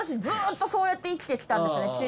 ずーっとそうやって生きてきたんですよね